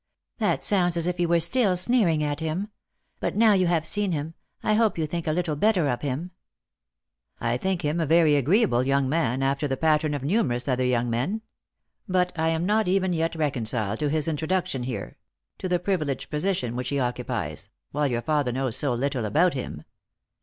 " That sounds as if you were still sneering at him. But now you have seen him, I hope you think a little better of him." " I think him a very agreeable young man, after the pattern of numerous other young men. But I am not even yet recon ciled to his introduction here — to the privileged position which he occupies — while your father knows so little about him."